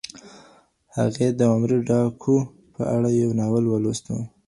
هغې د عمري ډاکو په اړه یو ناول ولوست.